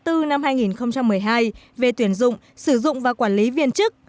từ năm hai nghìn một mươi hai về tuyển dụng sử dụng và quản lý viên chức